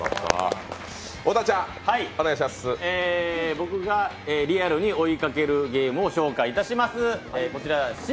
僕がリアルに追いかけるゲームを紹介いたします。